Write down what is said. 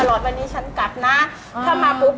โอ้โห